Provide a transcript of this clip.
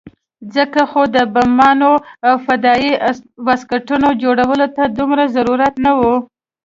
ځکه خو د بمانو او فدايي واسکټونو جوړولو ته دومره ضرورت نه وو.